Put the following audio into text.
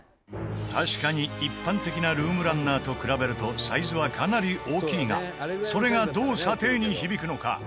確かに、一般的なルームランナーと比べるとサイズは、かなり大きいがそれが、どう査定に響くのか？